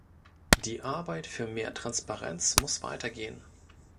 Die Arbeit für mehr Transparenz muss weitergehen.